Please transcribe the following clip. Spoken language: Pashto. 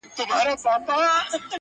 او موږ دې سره جدا هم يوو